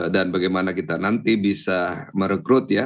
dan bagaimana kita nanti bisa merekrut ya